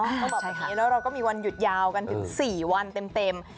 ต้องบอกแบบนี้แล้วเราก็มีวันหยุดยาวกันถึง๔วันเต็ม